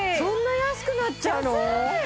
そんな安くなっちゃうの？